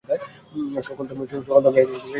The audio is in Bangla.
সকল ধর্মই এই দাবী করিয়া আসিতেছেন।